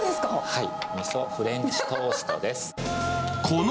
はい。